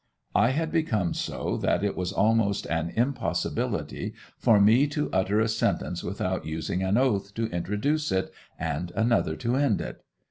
I had become so that it was almost an impossibility for me to utter a sentence without using an oath to introduce it and another to end it.